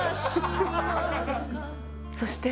そして。